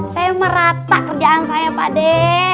saya merata kerjaan saya pade